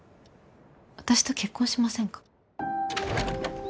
私と結婚しませんか。